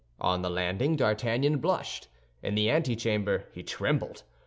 On the landing D'Artagnan blushed; in the antechamber he trembled.